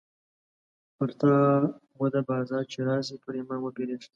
پر تا وده بازار چې راسې ، پر ايمان وبيرېږه.